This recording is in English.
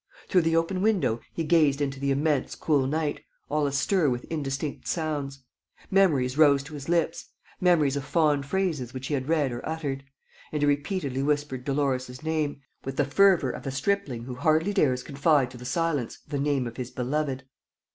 Through the open window, he gazed into the immense, cool night, all astir with indistinct sounds. Memories rose to his lips, memories of fond phrases which he had read or uttered; and he repeatedly whispered Dolores's name, with the fervor of a stripling who hardly dares confide to the silence the name of his beloved.